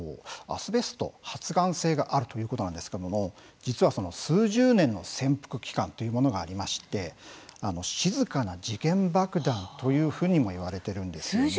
アスベスト、発がん性があるということなんですけれども実は、数十年の潜伏期間というものがありまして静かな時限爆弾というふうにも言われているんですよね。